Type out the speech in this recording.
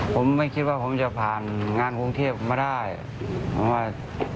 ผมไม่คิดว่าผมจะผ่านงานกรุงเทพมาได้ผมว่า